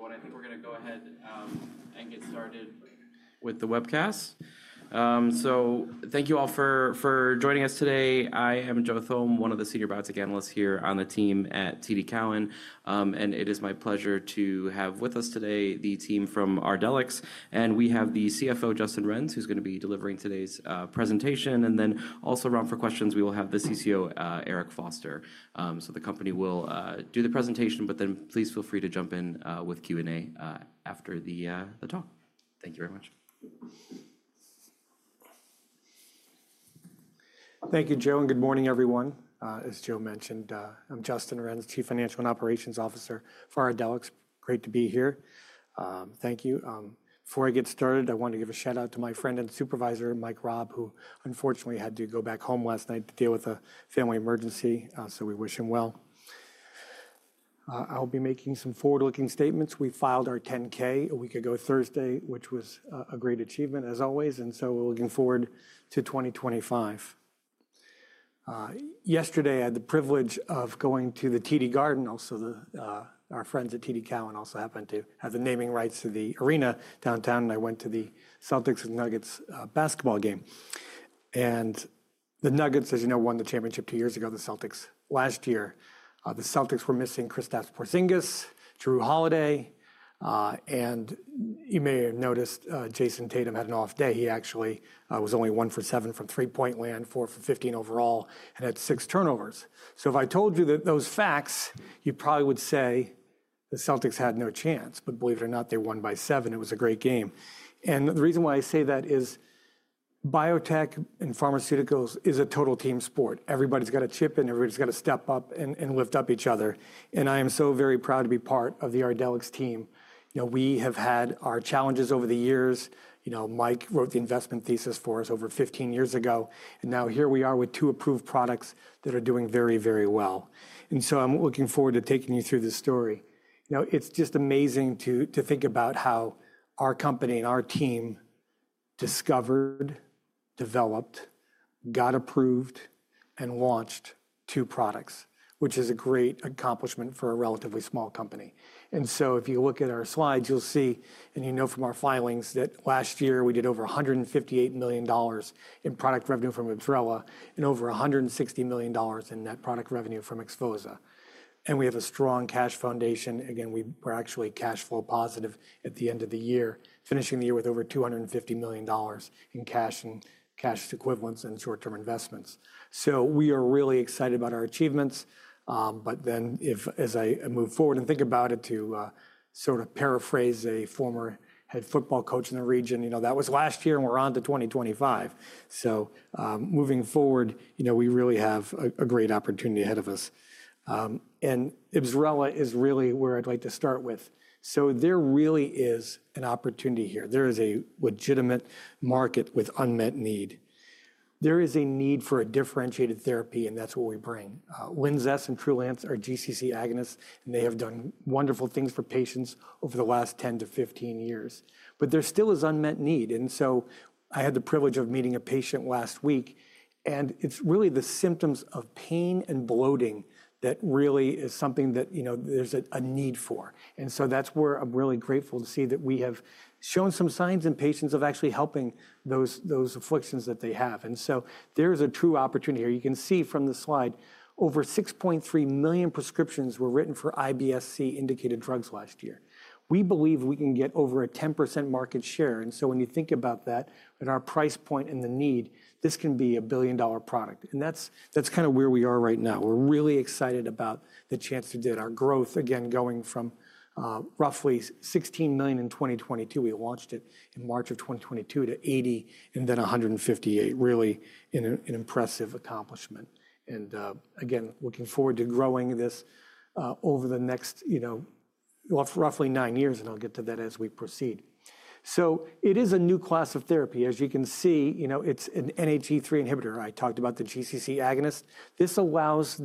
All right, everyone. I think we're going to go ahead and get started with the webcast. Thank you all for joining us today. I am Joe Thome, one of the senior biotech analysts here on the team at TD Cowen. It is my pleasure to have with us today the team from Ardelyx. We have the CFO, Justin Renz, who's going to be delivering today's presentation. Also around for questions, we will have the CCO, Eric Foster. The company will do the presentation. Please feel free to jump in with Q&A after the talk. Thank you very much. Thank you, Joe. Good morning, everyone. As Joe mentioned, I'm Justin Renz, Chief Financial and Operations Officer for Ardelyx. Great to be here. Thank you. Before I get started, I want to give a shout-out to my friend and supervisor, Mike Raab, who unfortunately had to go back home last night to deal with a family emergency. We wish him well. I'll be making some forward-looking statements. We filed our 10-K a week ago Thursday, which was a great achievement, as always. We are looking forward to 2025. Yesterday, I had the privilege of going to the TD Garden. Our friends at TD Cowen also happened to have the naming rights to the arena downtown. I went to the Celtics and Nuggets basketball game. The Nuggets, as you know, won the championship two years ago. The Celtics last year, the Celtics were missing Kristaps Porzingis, Jrue Holiday. You may have noticed Jason Tatum had an off day. He actually was only one for seven from three-point land, four for 15 overall, and had six turnovers. If I told you those facts, you probably would say the Celtics had no chance. Believe it or not, they won by seven. It was a great game. The reason why I say that is biotech and pharmaceuticals is a total team sport. Everybody's got a chip, and everybody's got to step up and lift up each other. I am so very proud to be part of the Ardelyx team. We have had our challenges over the years. Mike wrote the investment thesis for us over 15 years ago. Now here we are with two approved products that are doing very, very well. I am looking forward to taking you through this story. It's just amazing to think about how our company and our team discovered, developed, got approved, and launched two products, which is a great accomplishment for a relatively small company. If you look at our slides, you'll see, and you know from our filings, that last year we did over $158 million in product revenue from IBSRELA and over $160 million in net product revenue from XPHOZAH. We have a strong cash foundation. Again, we were actually cash flow positive at the end of the year, finishing the year with over $250 million in cash and cash equivalents and short-term investments. We are really excited about our achievements. If, as I move forward and think about it, to sort of paraphrase a former head football coach in the region, that was last year, and we're on to 2025. Moving forward, we really have a great opportunity ahead of us. IBSRELA is really where I'd like to start with. There really is an opportunity here. There is a legitimate market with unmet need. There is a need for a differentiated therapy, and that's what we bring. Linzess and Trulance are GC-C agonists, and they have done wonderful things for patients over the last 10 to 15 years. There still is unmet need. I had the privilege of meeting a patient last week. It's really the symptoms of pain and bloating that really is something that there's a need for. That is where I'm really grateful to see that we have shown some signs in patients of actually helping those afflictions that they have. There is a true opportunity here. You can see from the slide, over 6.3 million prescriptions were written for IBS-C-indicated drugs last year. We believe we can get over a 10% market share. When you think about that, and our price point and the need, this can be a billion-dollar product. That is kind of where we are right now. We're really excited about the chance to do it. Our growth, again, going from roughly $16 million in 2022, we launched it in March of 2022, to $80 million and then $158 million, really an impressive accomplishment. Again, looking forward to growing this over the next roughly nine years. I'll get to that as we proceed. It is a new class of therapy. As you can see, it's an NHE3 inhibitor. I talked about the GC-C agonist. This allows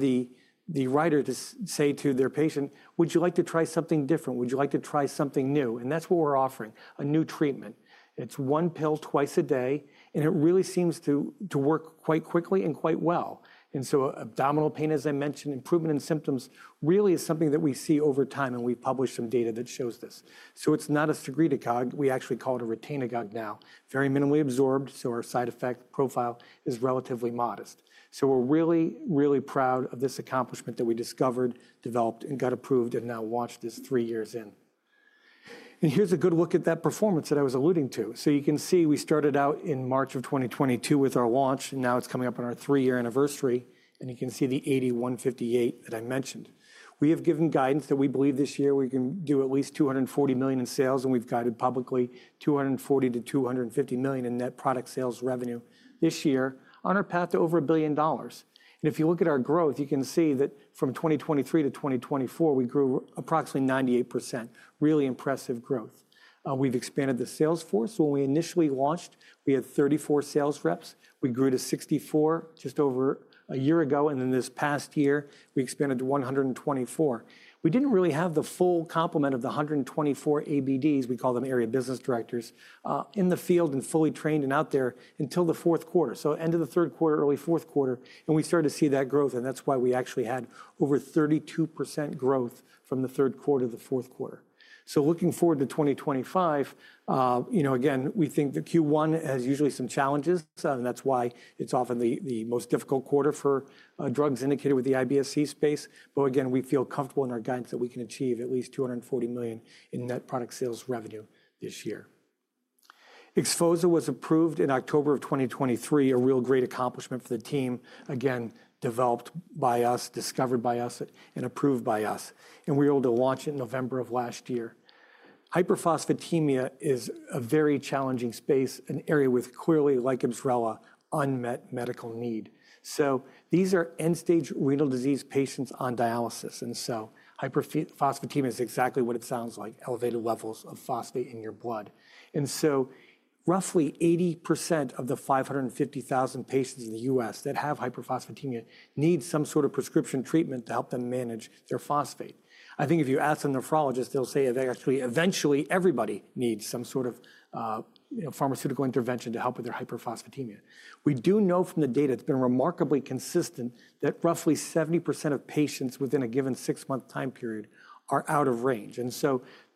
the writer to say to their patient, "Would you like to try something different? Would you like to try something new?" That is what we're offering, a new treatment. It's one pill twice a day. It really seems to work quite quickly and quite well. Abdominal pain, as I mentioned, improvement in symptoms really is something that we see over time. We published some data that shows this. It is not a segregated drug. We actually call it a retained drug now, very minimally absorbed. Our side effect profile is relatively modest. We are really, really proud of this accomplishment that we discovered, developed, and got approved and now launched this three years in. Here's a good look at that performance that I was alluding to. You can see we started out in March of 2022 with our launch. Now it's coming up on our three-year anniversary. You can see the 80,158 that I mentioned. We have given guidance that we believe this year we can do at least $240 million in sales. We've guided publicly $240 million-$250 million in net product sales revenue this year on our path to over a billion dollars. If you look at our growth, you can see that from 2023 to 2024, we grew approximately 98%, really impressive growth. We've expanded the sales force. When we initially launched, we had 34 sales reps. We grew to 64 just over a year ago. This past year, we expanded to 124. We did not really have the full complement of the 124 ABDs. We call them area business directors in the field and fully trained and out there until the fourth quarter, so end of the third quarter, early fourth quarter. We started to see that growth. That is why we actually had over 32% growth from the third quarter to the fourth quarter. Looking forward to 2025, again, we think the Q1 has usually some challenges. That is why it is often the most difficult quarter for drugs indicated with the IBS-C space. Again, we feel comfortable in our guidance that we can achieve at least $240 million in net product sales revenue this year. XPHOZAH was approved in October of 2023, a real great accomplishment for the team, again, developed by us, discovered by us, and approved by us. We were able to launch it in November of last year. Hyperphosphatemia is a very challenging space, an area with clearly, like IBSRELA, unmet medical need. These are end-stage renal disease patients on dialysis. Hyperphosphatemia is exactly what it sounds like, elevated levels of phosphate in your blood. Roughly 80% of the 550,000 patients in the US that have hyperphosphatemia need some sort of prescription treatment to help them manage their phosphate. I think if you ask a nephrologist, they'll say, "Actually, eventually everybody needs some sort of pharmaceutical intervention to help with their hyperphosphatemia." We do know from the data it's been remarkably consistent that roughly 70% of patients within a given six-month time period are out of range.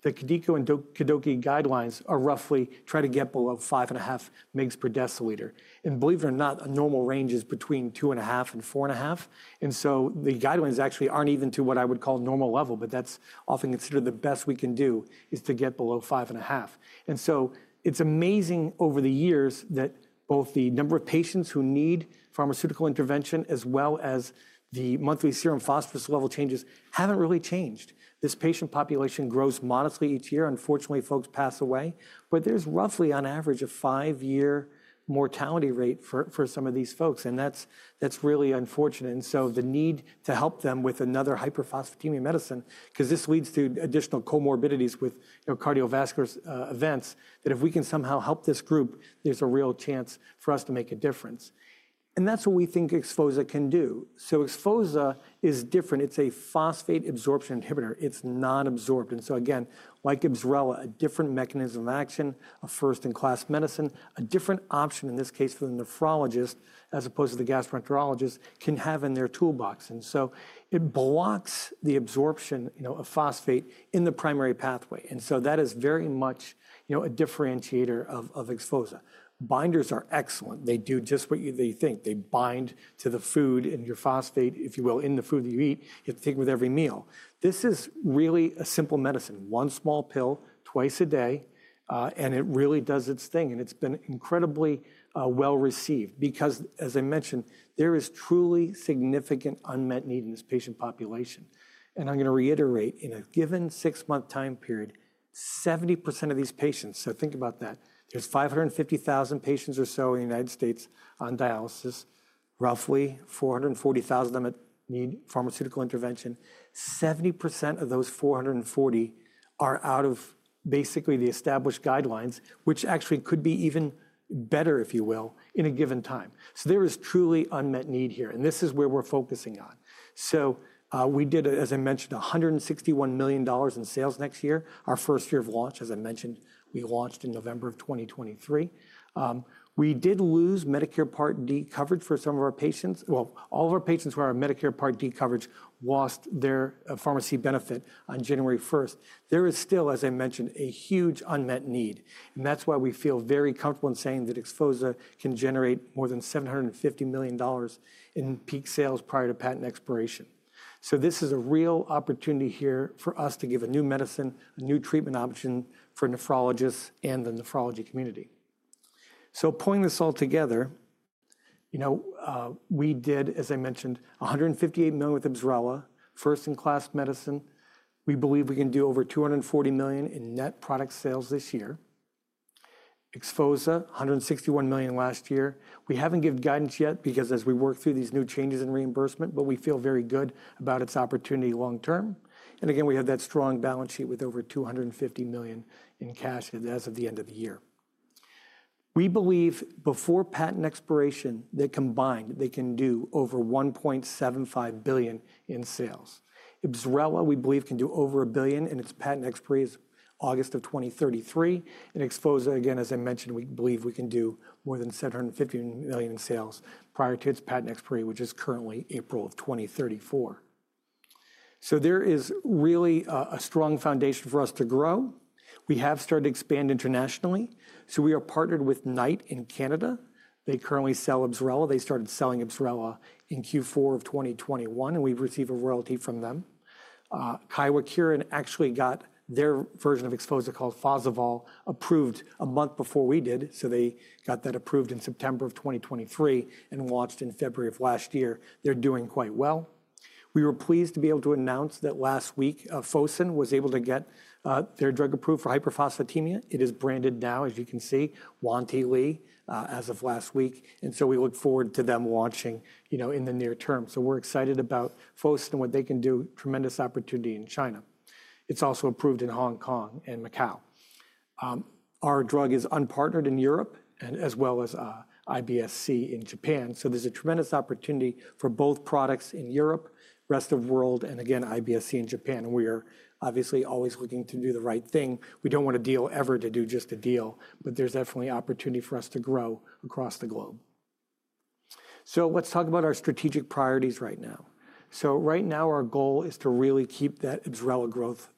The KDIGO and KDOQI guidelines are roughly try to get below 5.5 mg/dL. Believe it or not, a normal range is between two and a half and four and a half. The guidelines actually are not even to what I would call normal level. That is often considered the best we can do, to get below five and a half. It is amazing over the years that both the number of patients who need pharmaceutical intervention as well as the monthly serum phosphorus level changes have not really changed. This patient population grows modestly each year. Unfortunately, folks pass away. There is roughly, on average, a five-year mortality rate for some of these folks. That is really unfortunate. The need to help them with another hyperphosphatemia medicine, because this leads to additional comorbidities with cardiovascular events, is clear. If we can somehow help this group, there is a real chance for us to make a difference. That is what we think XPHOZAH can do. XPHOZAH is different. It is a phosphate absorption inhibitor. It is non-absorbed. Again, like IBSRELA, a different mechanism of action, a first-in-class medicine, a different option in this case for the nephrologist as opposed to the gastroenterologist to have in their toolbox. It blocks the absorption of phosphate in the primary pathway. That is very much a differentiator of XPHOZAH. Binders are excellent. They do just what you think. They bind to the food and your phosphate, if you will, in the food that you eat. You have to think with every meal. This is really a simple medicine, one small pill twice a day. It really does its thing. It has been incredibly well received. Because, as I mentioned, there is truly significant unmet need in this patient population. I'm going to reiterate, in a given six-month time period, 70% of these patients, so think about that, there's 550,000 patients or so in the United States on dialysis, roughly 440,000 of them need pharmaceutical intervention. 70% of those 440 are out of basically the established guidelines, which actually could be even better, if you will, in a given time. There is truly unmet need here. This is where we're focusing on. We did, as I mentioned, $161 million in sales next year, our first year of launch. As I mentioned, we launched in November of 2023. We did lose Medicare Part D coverage for some of our patients. All of our patients who are on Medicare Part D coverage lost their pharmacy benefit on January 1. There is still, as I mentioned, a huge unmet need. That is why we feel very comfortable in saying that XPHOZAH can generate more than $750 million in peak sales prior to patent expiration. This is a real opportunity here for us to give a new medicine, a new treatment option for nephrologists and the nephrology community. Pulling this all together, we did, as I mentioned, $158 million with IBSRELA, first-in-class medicine. We believe we can do over $240 million in net product sales this year. XPHOZAH, $161 million last year. We have not given guidance yet because as we work through these new changes in reimbursement, we feel very good about its opportunity long term. Again, we have that strong balance sheet with over $250 million in cash as of the end of the year. We believe before patent expiration that combined, they can do over $1.75 billion in sales. IBSRELA, we believe, can do over a billion in its patent expiry is August of 2033. And XPHOZAH, again, as I mentioned, we believe we can do more than $750 million in sales prior to its patent expiry, which is currently April of 2034. There is really a strong foundation for us to grow. We have started to expand internationally. We are partnered with Knight in Canada. They currently sell IBSRELA. They started selling IBSRELA in Q4 of 2021. We have received a royalty from them. Kyowa Kirin actually got their version of XPHOZAH called Fosoval approved a month before we did. They got that approved in September of 2023 and launched in February of last year. They are doing quite well. We were pleased to be able to announce that last week Fosun was able to get their drug approved for hyperphosphatemia. It is branded now, as you can see, Wantele as of last week. We look forward to them launching in the near term. We are excited about Fosun and what they can do, tremendous opportunity in China. It is also approved in Hong Kong and Macau. Our drug is unpartnered in Europe and as well as IBS-C in Japan. There is a tremendous opportunity for both products in Europe, rest of the world, and again, IBS-C in Japan. We are obviously always looking to do the right thing. We do not want a deal ever to do just a deal. There is definitely opportunity for us to grow across the globe. Let's talk about our strategic priorities right now. Right now, our goal is to really keep that IBSRELA growth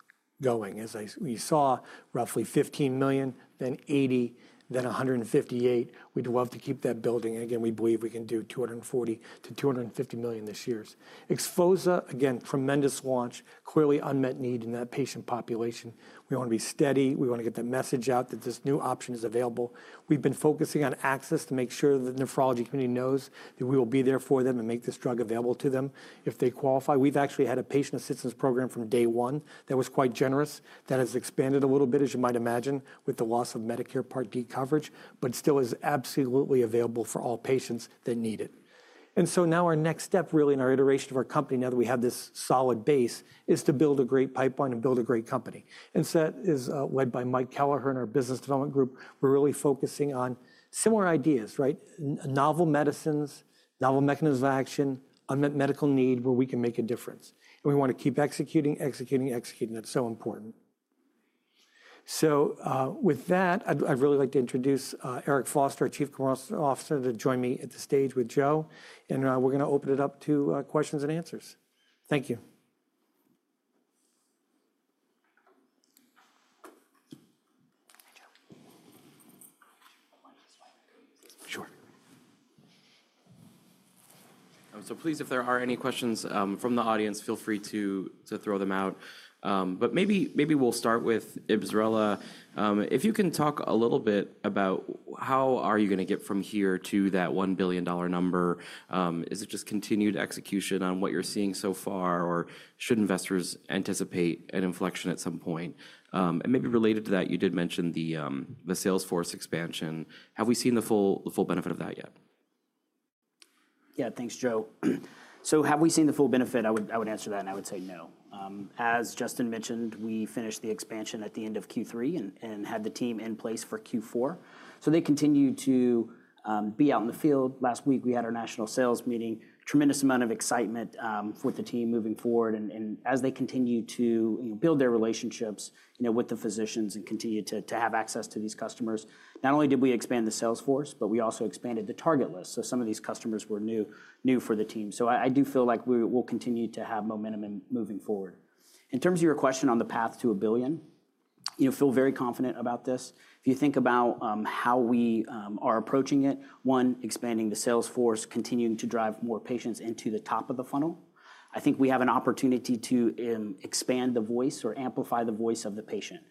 going. As we saw, roughly $15 million, then $80 million, then $158 million. We would love to keep that building. Again, we believe we can do $240 million-$250 million this year. XPHOZAH, again, tremendous launch, clearly unmet need in that patient population. We want to be steady. We want to get the message out that this new option is available. We have been focusing on access to make sure the nephrology community knows that we will be there for them and make this drug available to them if they qualify. We have actually had a patient assistance program from day one that was quite generous. That has expanded a little bit, as you might imagine, with the loss of Medicare Part D coverage, but still is absolutely available for all patients that need it. Now our next step, really, in our iteration of our company, now that we have this solid base, is to build a great pipeline and build a great company. That is led by Mike Kelliher in our business development group. We are really focusing on similar ideas, right? Novel medicines, novel mechanisms of action, unmet medical need where we can make a difference. We want to keep executing, executing, executing. That is so important. With that, I would really like to introduce Eric Foster, our Chief Commercial Officer, to join me at the stage with Joe. We are going to open it up to questions and answers. Thank you. Sure. If there are any questions from the audience, feel free to throw them out. Maybe we will start with IBSRELA. If you can talk a little bit about how you are going to get from here to that $1 billion number. Is it just continued execution on what you are seeing so far, or should investors anticipate an inflection at some point? Maybe related to that, you did mention the sales force expansion. Have we seen the full benefit of that yet? Yeah, thanks, Joe. Have we seen the full benefit? I would answer that, and I would say no. As Justin mentioned, we finished the expansion at the end of Q3 and had the team in place for Q4. They continue to be out in the field. Last week, we had our national sales meeting, tremendous amount of excitement for the team moving forward. As they continue to build their relationships with the physicians and continue to have access to these customers, not only did we expand the sales force, but we also expanded the target list. Some of these customers were new for the team. I do feel like we will continue to have momentum moving forward. In terms of your question on the path to a billion, I feel very confident about this. If you think about how we are approaching it, one, expanding the sales force, continuing to drive more patients into the top of the funnel, I think we have an opportunity to expand the voice or amplify the voice of the patient.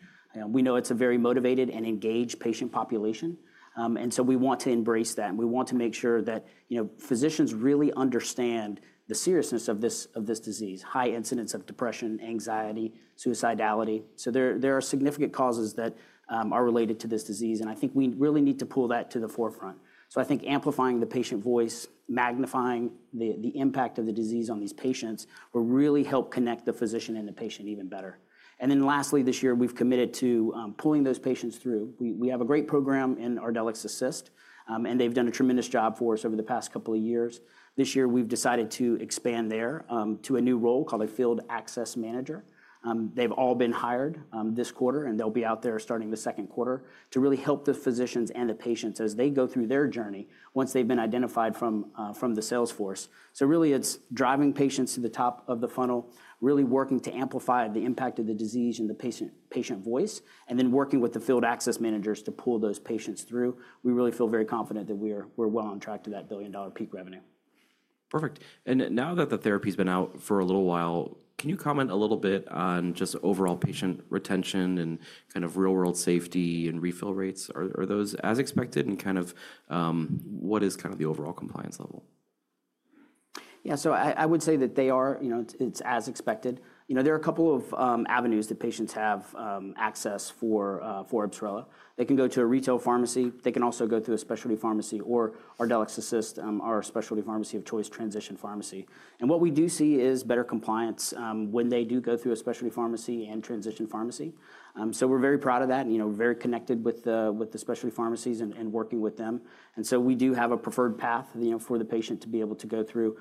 We know it's a very motivated and engaged patient population. We want to embrace that. We want to make sure that physicians really understand the seriousness of this disease, high incidence of depression, anxiety, suicidality. There are significant causes that are related to this disease. I think we really need to pull that to the forefront. I think amplifying the patient voice, magnifying the impact of the disease on these patients will really help connect the physician and the patient even better. Lastly, this year, we've committed to pulling those patients through. We have a great program in Ardelyx Assist, and they've done a tremendous job for us over the past couple of years. This year, we've decided to expand there to a new role called a field access manager. They've all been hired this quarter, and they'll be out there starting the second quarter to really help the physicians and the patients as they go through their journey once they've been identified from the sales force. Really, it's driving patients to the top of the funnel, really working to amplify the impact of the disease and the patient voice, and then working with the field access managers to pull those patients through. We really feel very confident that we're well on track to that billion-dollar peak revenue. Perfect. Now that the therapy has been out for a little while, can you comment a little bit on just overall patient retention and kind of real-world safety and refill rates? Are those as expected? What is kind of the overall compliance level? Yeah, I would say that they are, it's as expected. There are a couple of avenues that patients have access for IBSRELA. They can go to a retail pharmacy. They can also go through a specialty pharmacy or Ardelyx Assist, our specialty pharmacy of choice, transition pharmacy. What we do see is better compliance when they do go through a specialty pharmacy and transition pharmacy. We are very proud of that. We are very connected with the specialty pharmacies and working with them. We do have a preferred path for the patient to be able to go through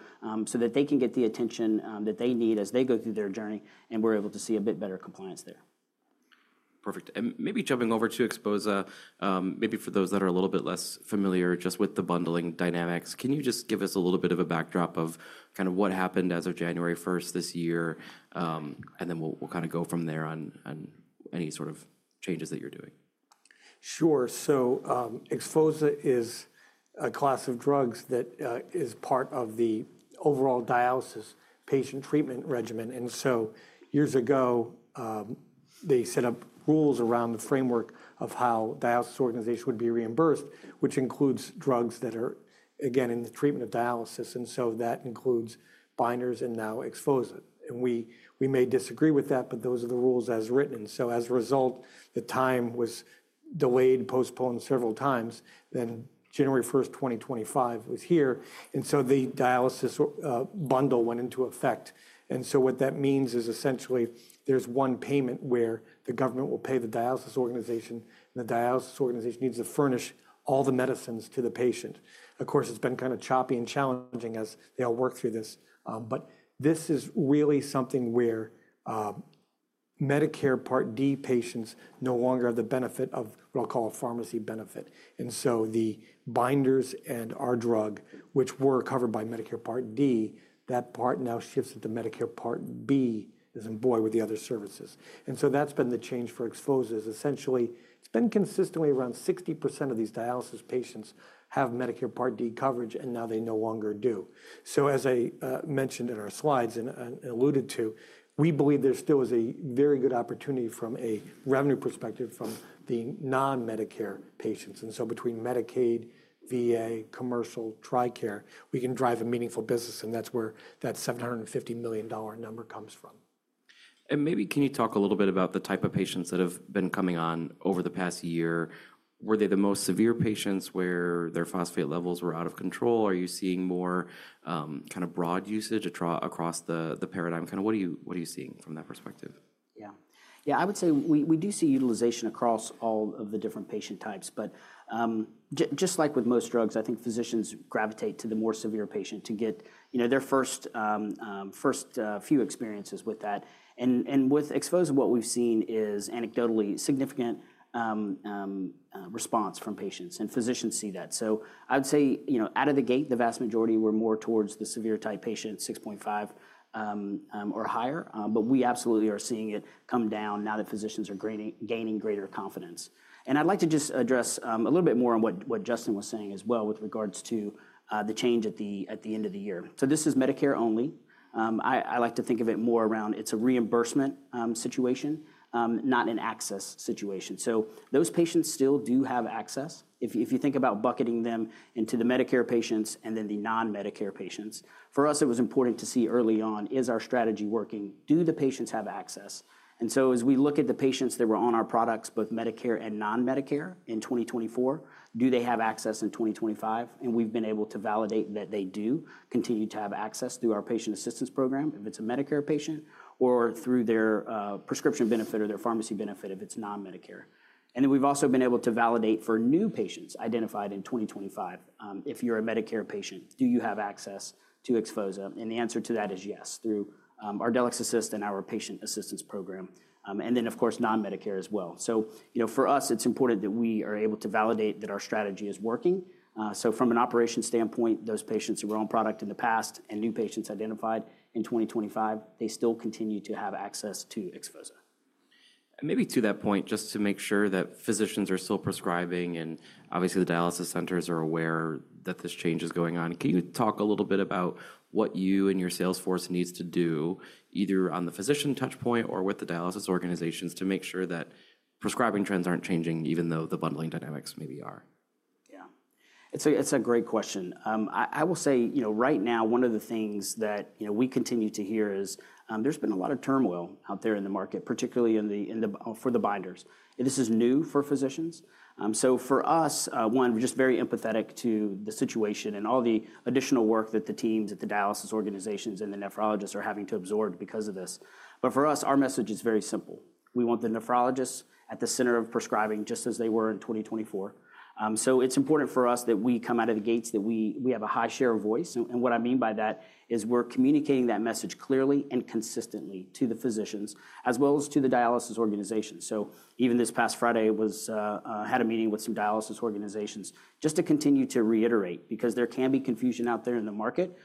so that they can get the attention that they need as they go through their journey. We're able to see a bit better compliance there. Perfect. Maybe jumping over to XPHOZAH, maybe for those that are a little bit less familiar just with the bundling dynamics, can you just give us a little bit of a backdrop of kind of what happened as of January 1, this year? We'll kind of go from there on any sort of changes that you're doing. Sure. XPHOZAH is a class of drugs that is part of the overall dialysis patient treatment regimen. Years ago, they set up rules around the framework of how dialysis organizations would be reimbursed, which includes drugs that are, again, in the treatment of dialysis. That includes binders and now XPHOZAH. We may disagree with that, but those are the rules as written. As a result, the time was delayed, postponed several times. January 1, 2025 was here. The dialysis bundle went into effect. What that means is essentially there is one payment where the government will pay the dialysis organization. The dialysis organization needs to furnish all the medicines to the patient. Of course, it has been kind of choppy and challenging as they all work through this. This is really something where Medicare Part D patients no longer have the benefit of what I will call a pharmacy benefit. The binders and our drug, which were covered by Medicare Part D, that part now shifts to Medicare Part B, as in boy, with the other services. That has been the change for XPHOZAH. Essentially, it has been consistently around 60% of these dialysis patients have Medicare Part D coverage, and now they no longer do. As I mentioned in our slides and alluded to, we believe there still is a very good opportunity from a revenue perspective from the non-Medicare patients. Between Medicaid, VA, commercial, Tricare, we can drive a meaningful business. That is where that $750 million number comes from. Maybe can you talk a little bit about the type of patients that have been coming on over the past year? Were they the most severe patients where their phosphate levels were out of control? Are you seeing more kind of broad usage across the paradigm? What are you seeing from that perspective? Yeah. Yeah, I would say we do see utilization across all of the different patient types. Just like with most drugs, I think physicians gravitate to the more severe patient to get their first few experiences with that. With XPHOZAH, what we've seen is anecdotally significant response from patients. Physicians see that. I would say out of the gate, the vast majority were more towards the severe type patient, 6.5 or higher. We absolutely are seeing it come down now that physicians are gaining greater confidence. I'd like to just address a little bit more on what Justin was saying as well with regards to the change at the end of the year. This is Medicare only. I like to think of it more around it's a reimbursement situation, not an access situation. Those patients still do have access. If you think about bucketing them into the Medicare patients and then the non-Medicare patients, for us, it was important to see early on, is our strategy working? Do the patients have access? As we look at the patients that were on our products, both Medicare and non-Medicare in 2024, do they have access in 2025? We have been able to validate that they do continue to have access through our patient assistance program if it is a Medicare patient, or through their prescription benefit or their pharmacy benefit if it is non-Medicare. We have also been able to validate for new patients identified in 2025, if you are a Medicare patient, do you have access to XPHOZAH? The answer to that is yes, through Ardelyx Assist and our patient assistance program. Of course, non-Medicare as well. For us, it's important that we are able to validate that our strategy is working. From an operation standpoint, those patients who were on product in the past and new patients identified in 2025, they still continue to have access to XPHOZAH. Maybe to that point, just to make sure that physicians are still prescribing and obviously the dialysis centers are aware that this change is going on, can you talk a little bit about what you and your sales force need to do either on the physician touchpoint or with the dialysis organizations to make sure that prescribing trends aren't changing, even though the bundling dynamics maybe are? Yeah. It's a great question. I will say right now, one of the things that we continue to hear is there's been a lot of turmoil out there in the market, particularly for the binders. This is new for physicians. For us, one, we're just very empathetic to the situation and all the additional work that the teams at the dialysis organizations and the nephrologists are having to absorb because of this. For us, our message is very simple. We want the nephrologists at the center of prescribing just as they were in 2024. It is important for us that we come out of the gates, that we have a high share of voice. What I mean by that is we're communicating that message clearly and consistently to the physicians as well as to the dialysis organizations. Even this past Friday, I had a meeting with some dialysis organizations just to continue to reiterate because there can be confusion out there in the market,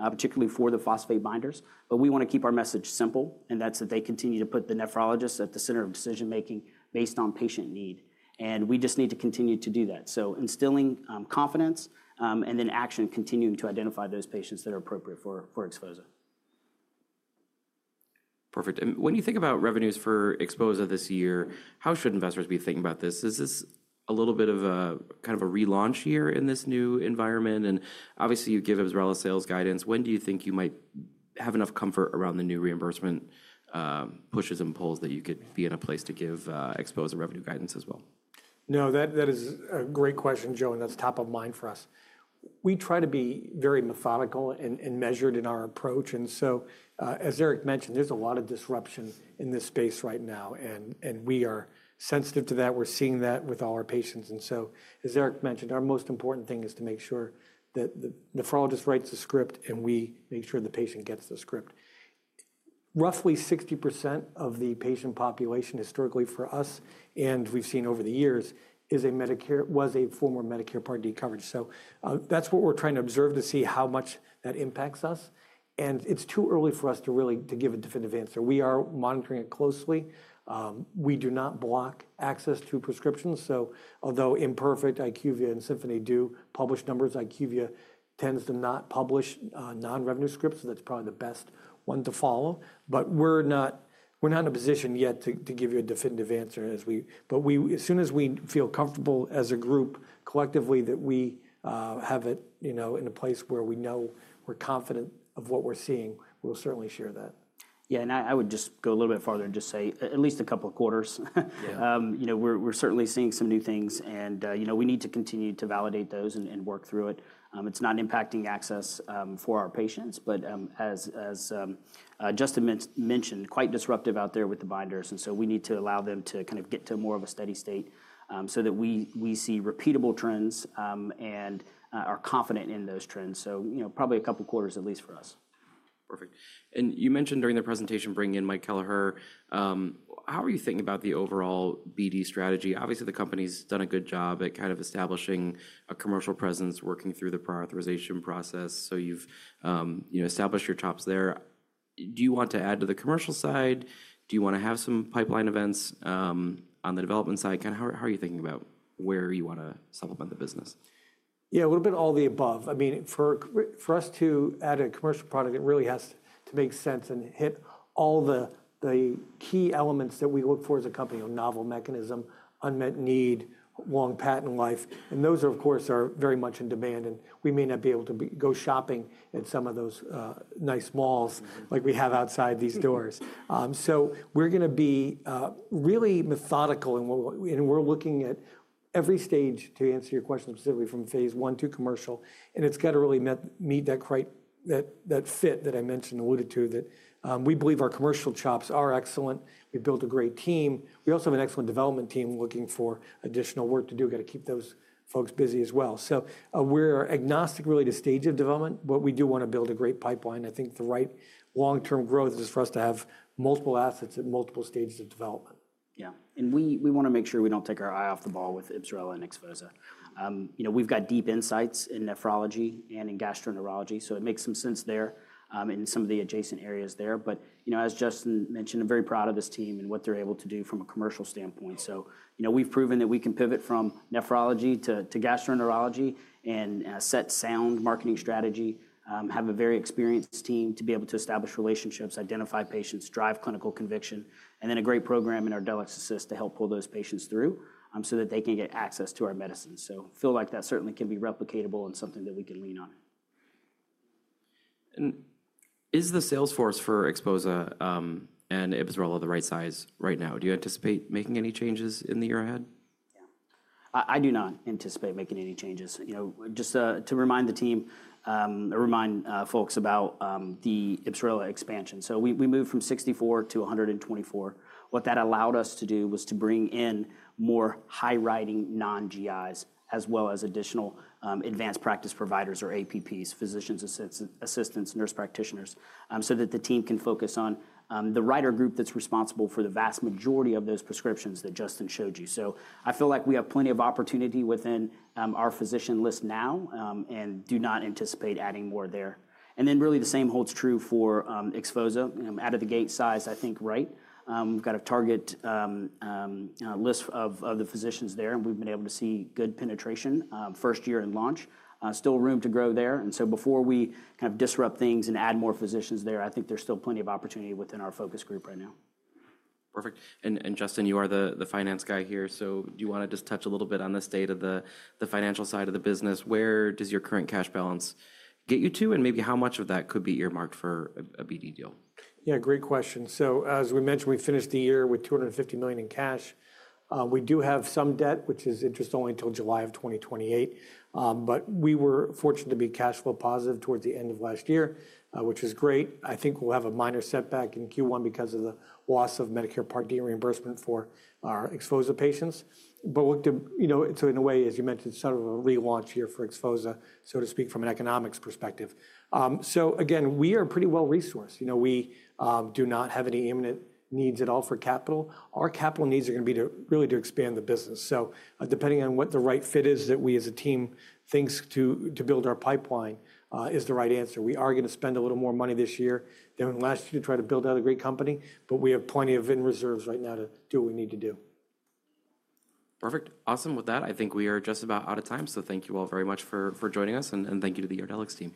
particularly for the phosphate binders. We want to keep our message simple. That is that they continue to put the nephrologists at the center of decision-making based on patient need. We just need to continue to do that. Instilling confidence and then action, continuing to identify those patients that are appropriate for XPHOZAH. Perfect. When you think about revenues for XPHOZAH this year, how should investors be thinking about this? Is this a little bit of a kind of a relaunch year in this new environment? Obviously, you give IBSRELA sales guidance. When do you think you might have enough comfort around the new reimbursement pushes and pulls that you could be in a place to give XPHOZAH revenue guidance as well? That is a great question, Joe. That is top of mind for us. We try to be very methodical and measured in our approach. As Eric mentioned, there is a lot of disruption in this space right now. We are sensitive to that. We are seeing that with all our patients. As Eric mentioned, our most important thing is to make sure that the nephrologist writes the script and we make sure the patient gets the script. Roughly 60% of the patient population historically for us, and we have seen over the years, was a former Medicare Part D coverage. That is what we are trying to observe to see how much that impacts us. It is too early for us to really give a definitive answer. We are monitoring it closely. We do not block access to prescriptions. Although Imperfect, IQVIA, and Symphony do publish numbers, IQVIA tends to not publish non-revenue scripts. That is probably the best one to follow. We're not in a position yet to give you a definitive answer. As soon as we feel comfortable as a group collectively that we have it in a place where we know we're confident of what we're seeing, we'll certainly share that. Yeah. I would just go a little bit farther and just say at least a couple of quarters. We're certainly seeing some new things. We need to continue to validate those and work through it. It's not impacting access for our patients. As Justin mentioned, quite disruptive out there with the binders. We need to allow them to kind of get to more of a steady state so that we see repeatable trends and are confident in those trends. Probably a couple of quarters at least for us. Perfect. You mentioned during the presentation bringing in Mike Kelliher, how are you thinking about the overall BD strategy? Obviously, the company's done a good job at kind of establishing a commercial presence, working through the prior authorization process. You have established your chops there. Do you want to add to the commercial side? Do you want to have some pipeline events on the development side? Kind of how are you thinking about where you want to supplement the business? Yeah, a little bit all the above. I mean, for us to add a commercial product, it really has to make sense and hit all the key elements that we look for as a company: novel mechanism, unmet need, long patent life. Those are, of course, very much in demand. We may not be able to go shopping at some of those nice malls like we have outside these doors. We are going to be really methodical. We are looking at every stage to answer your question, specifically from phase one to commercial. It has to really meet that fit that I alluded to, that we believe our commercial chops are excellent. We have built a great team. We also have an excellent development team looking for additional work to do. We have to keep those folks busy as well. We are agnostic really to stage of development. We do want to build a great pipeline. I think the right long-term growth is for us to have multiple assets at multiple stages of development. Yeah. We want to make sure we do not take our eye off the ball with IBSRELA and XPHOZAH. We've got deep insights in nephrology and in gastroenterology. It makes some sense there in some of the adjacent areas there. As Justin mentioned, I'm very proud of this team and what they're able to do from a commercial standpoint. We've proven that we can pivot from nephrology to gastroenterology and set sound marketing strategy, have a very experienced team to be able to establish relationships, identify patients, drive clinical conviction, and then a great program in Ardelyx Assist to help pull those patients through so that they can get access to our medicines. I feel like that certainly can be replicatable and something that we can lean on. Is the sales force for XPHOZAH and IBSRELA the right size right now? Do you anticipate making any changes in the year ahead? Yeah. I do not anticipate making any changes. Just to remind the team or remind folks about the IBSRELA expansion. We moved from 64 to 124. What that allowed us to do was to bring in more high-riding non-GIs as well as additional advanced practice providers or APPs, physician assistants, nurse practitioners, so that the team can focus on the writer group that's responsible for the vast majority of those prescriptions that Justin showed you. I feel like we have plenty of opportunity within our physician list now and do not anticipate adding more there. Really the same holds true for XPHOZAH. Out of the gate size, I think right. We've got a target list of the physicians there. We've been able to see good penetration first year in launch. Still room to grow there. Before we kind of disrupt things and add more physicians there, I think there's still plenty of opportunity within our focus group right now. Perfect. And Justin, you are the finance guy here. Do you want to just touch a little bit on the state of the financial side of the business? Where does your current cash balance get you to? And maybe how much of that could be earmarked for a BD deal? Yeah, great question. As we mentioned, we finished the year with $250 million in cash. We do have some debt, which is interest only until July of 2028. We were fortunate to be cash flow positive towards the end of last year, which is great. I think we'll have a minor setback in Q1 because of the loss of Medicare Part D reimbursement for our XPHOZAH patients. In a way, as you mentioned, sort of a relaunch year for XPHOZAH, so to speak, from an economics perspective. Again, we are pretty well resourced. We do not have any imminent needs at all for capital. Our capital needs are going to be really to expand the business. Depending on what the right fit is that we as a team think to build our pipeline is the right answer. We are going to spend a little more money this year than last year to try to build out a great company. We have plenty of reserves right now to do what we need to do. Perfect. Awesome, with that, I think we are just about out of time. Thank you all very much for joining us. Thank you to the Ardelyx team.